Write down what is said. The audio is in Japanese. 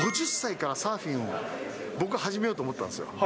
５０歳からサーフィンを、僕、始めようと思ってたんですよ。